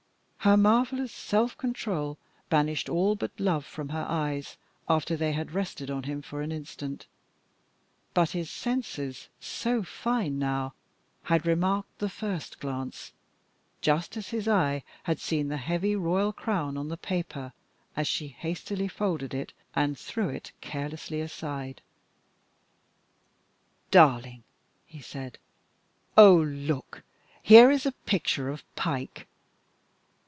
Her marvellous self control banished all but love from her eyes after they had rested on him for an instant, but his senses so fine now had remarked the first glance, just as his eye had seen the heavy royal crown on the paper as she hastily folded it and threw it carelessly aside. "Darling!" he said "Oh! look! here is a picture of Pike!"